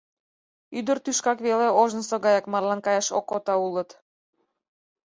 Ӱдыр тӱшкак веле ожнысо гаяк марлан каяш окота улыт.